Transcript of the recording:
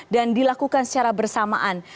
dan dilakukan secara bersamaan